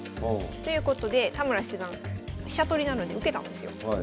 ということで田村七段飛車取りなので受けたんですよ。